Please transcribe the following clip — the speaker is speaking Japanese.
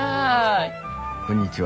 こんにちは。